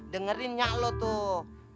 dengerin nyak lo tuh